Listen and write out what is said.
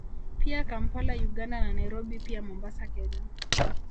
Pia Kampala Uganda na Nairobi pia Mombasa Kenya